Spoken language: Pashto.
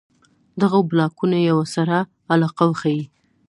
دغو بلاکونو یوه سره علاقه وښيي.